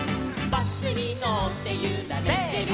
「バスにのってゆられてる」